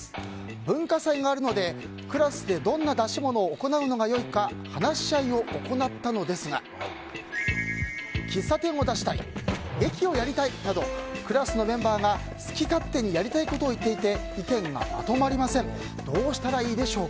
文化祭があるので、クラスでどんな出し物を行うのが良いか話し合いを行ったのですが喫茶店を出したい劇をやりたいなどクラスのメンバーが好き勝手にやりたいことを言っていて意見がまとまりません。